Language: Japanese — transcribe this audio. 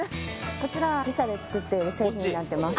こちらは自社で作っている製品になってます